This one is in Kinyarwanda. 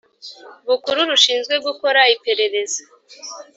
Bukuru rushinzwe gukora iperereza